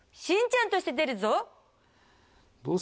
しんちゃんとして出るゾ。